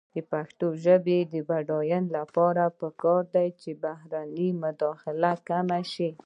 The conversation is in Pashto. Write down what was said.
د پښتو ژبې د بډاینې لپاره پکار ده چې بهرنۍ مداخلې کمې شي.